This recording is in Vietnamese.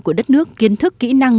của đất nước kiến thức kỹ năng